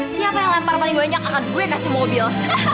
siapa yang lempar paling banyak akan gue kasih mobil